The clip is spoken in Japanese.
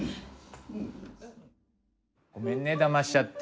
ごめんねだましちゃって。